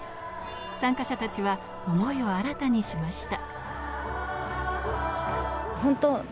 参加者たちは思いを新たにしました。